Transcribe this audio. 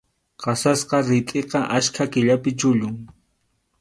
Qasasqa ritʼiqa achka killapi chullun.